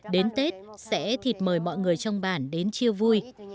đến tết sẽ thịt mời mọi người trong bản đến chia vui